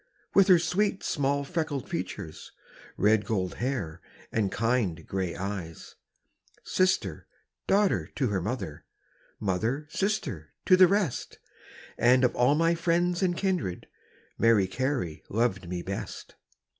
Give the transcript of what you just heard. With her sweet small freckled features, Red gold hair, and kind grey eyes; Sister, daughter, to her mother, Mother, sister, to the rest And of all my friends and kindred, Mary Carey loved me best.